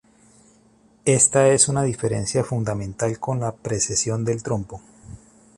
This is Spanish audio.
Esta es una diferencia fundamental con la precesión del trompo.